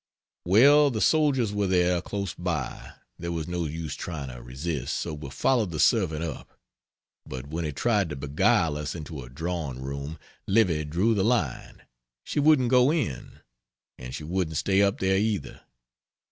Well, the soldiers were there close by there was no use trying to resist so we followed the servant up; but when he tried to beguile us into a drawing room, Livy drew the line; she wouldn't go in. And she wouldn't stay up there, either.